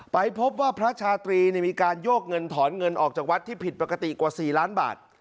ไปพบว่าพระชาตรีมีการโยกเงินถอนเงินออกจากวัดที่ผิดปกติกว่า๔ล้านบาท